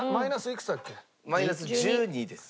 マイナス１２です。